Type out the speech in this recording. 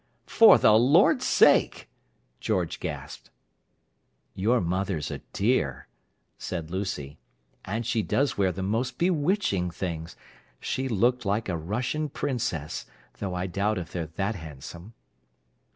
"For the Lord's sake!" George gasped. "Your mother's a dear," said Lucy. "And she does wear the most bewitching things! She looked like a Russian princess, though I doubt if they're that handsome."